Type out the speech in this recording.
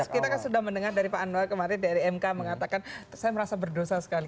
kita kan sudah mendengar dari pak anwar kemarin dari mk mengatakan saya merasa berdosa sekali